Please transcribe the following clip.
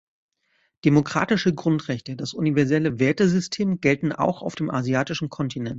Demokratische Grundrechte, das universelle Wertesystem gelten auch auf dem asiatischen Kontinent.